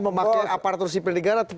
memakai apartur sipil negara